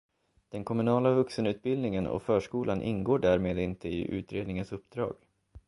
Den kommunala vuxenutbildningen och förskolan ingår därmed inte i utredningens uppdrag.